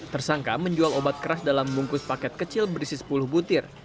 tersangka menjual obat keras dalam bungkus paket kecil berisi sepuluh butir